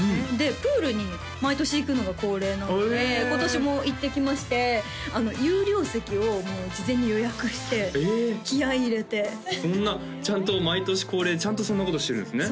プールに毎年行くのが恒例なので今年も行ってきまして有料席を事前に予約して気合入れてそんなちゃんと毎年恒例ちゃんとそんなことしてるんですね